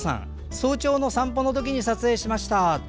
早朝の散歩の時に撮影しました。